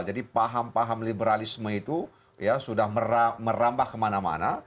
jadi paham paham liberalisme itu sudah merambah kemana mana